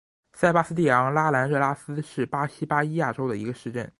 塞巴斯蒂昂拉兰热拉斯是巴西巴伊亚州的一个市镇。